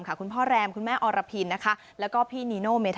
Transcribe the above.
คุณพ่อแรมคุณแม่นิโนเมธานีแล้วก็พี่นิโน